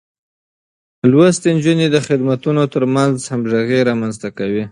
لوستې نجونې د خدمتونو ترمنځ همغږي رامنځته کوي.